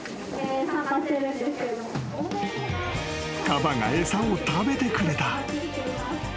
［カバが餌を食べてくれた］